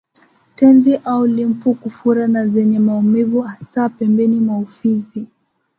Tezi au limfu kufura na zenye maumivu hasa pembeni mwa ufizi